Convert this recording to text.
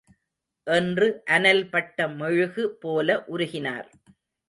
என்று அனல்பட்ட மெழுகு போல உருகினார்.